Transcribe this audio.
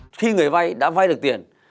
khi người vay đã vay được tiền